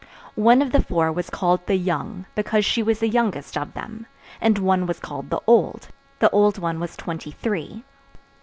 One of the four was called the young, because she was the youngest of them, and one was called the old; the old one was twenty three.